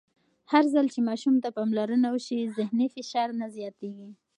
هرځل چې ماشوم ته پاملرنه وشي، ذهني فشار نه زیاتېږي.